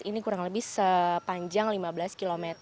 ini kurang lebih sepanjang lima belas km